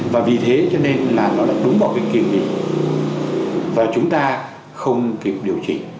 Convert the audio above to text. và vì thế cho nên là nó đúng vào kỳ lịch và chúng ta không kiếm điều chỉnh